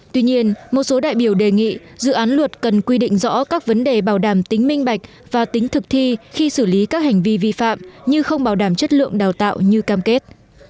tuy nhiên một số đại biểu đề nghị dự án luật cần quy định rõ các vấn đề bảo đảm tính minh bạch và tính thực thi khi xử lý các hành vi vi phạm như không bảo đảm chất lượng đào tạo như cam kết